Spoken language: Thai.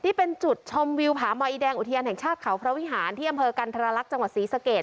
ที่เป็นจุดชมวิวผามอยอีแดงอุทยานแห่งชาติเขาพระวิหารที่อำเภอกันธรรลักษณ์จังหวัดศรีสะเกด